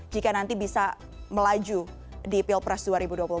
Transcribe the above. jika nanti bisa melaju di pilbaraan indonesia